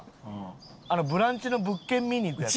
『ブランチ』の物件見に行くやつ。